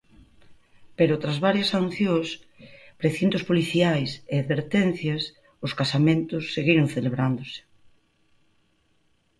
Pero tras varias sancións, precintos policiais e advertencias, os casamentos seguiron celebrándose.